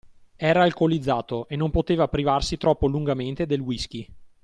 Era alcolizzato e non poteva privarsi troppo lungamente del whisky.